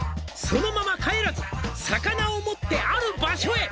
「そのまま帰らず魚を持ってある場所へ」